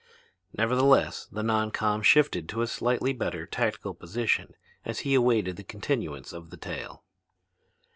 Nevertheless the non com shifted to a slightly better tactical position as he awaited the continuance of the tale.